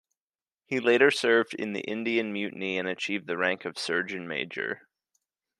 He later served in the Indian Mutiny and achieved the rank of surgeon major.